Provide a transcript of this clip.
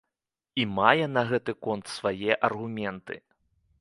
І мае на гэты конт свае аргументы.